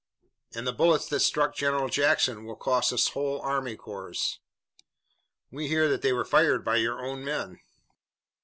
"And the bullets that struck General Jackson will cost us a whole army corps." "We hear that they were fired by your own men."